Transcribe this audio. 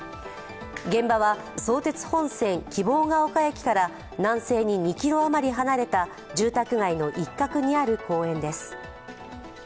現場は相鉄本線希望ヶ丘駅から南西に２ｋｍ余り離れた住宅街の一角にある公園です。